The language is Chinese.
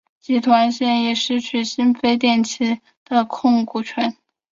集团现时亦失去新飞电器的控股权。